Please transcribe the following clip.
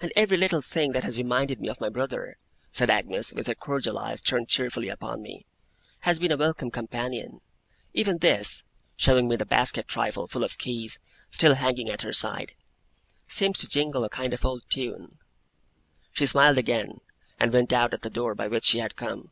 'And every little thing that has reminded me of my brother,' said Agnes, with her cordial eyes turned cheerfully upon me, 'has been a welcome companion. Even this,' showing me the basket trifle, full of keys, still hanging at her side, 'seems to jingle a kind of old tune!' She smiled again, and went out at the door by which she had come.